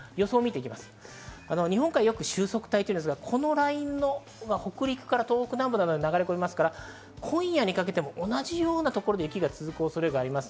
日本海、よく収束帯っていうんですが、北陸から東北南部のラインに流れ込みますから、今夜にかけても同じようなところで雪が続く恐れがあります。